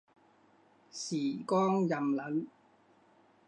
时光荏苒。